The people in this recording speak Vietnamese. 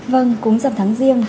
vâng cúng dằm tháng riêng